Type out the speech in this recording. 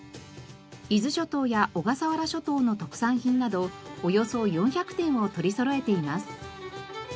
伊豆諸島や小笠原諸島の特産品などおよそ４００点を取りそろえています。